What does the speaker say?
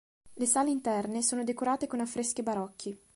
Le sale interne sono decorate con affreschi barocchi.